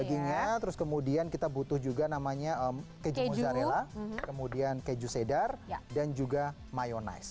dagingnya terus kemudian kita butuh juga namanya keju mozzarella kemudian keju sedar dan juga mayonise